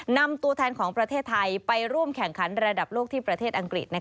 นำตัวแทนของประเทศไทยไปร่วมแข่งขันระดับโลกที่ประเทศอังกฤษ